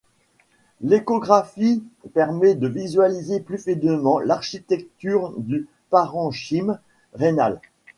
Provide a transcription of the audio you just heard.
L'échographie permet de visualiser plus finement l'architecture du parenchyme rénal.